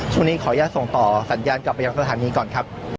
ช่วงนี้ขออย่าส่งต่อสัญญาณกลับไปยังสถานีก่อนครับ